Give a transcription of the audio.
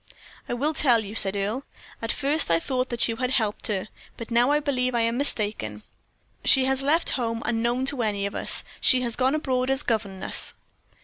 "I will tell you," said Earle. "At first I thought that you had helped her, but now I believe I am mistaken. She has left home unknown to any of us. She has gone abroad as governess."